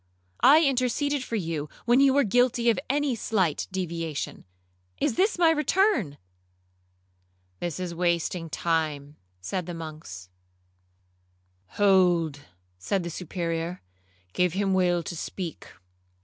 I interceded for you when you were guilty of any slight deviation—Is this my return?' 'This is wasting time,' said the monks. 'Hold, said the Superior; 'give him leave to speak.